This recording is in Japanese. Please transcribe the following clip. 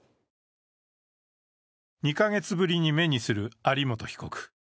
２か月ぶりに目にする有本被告。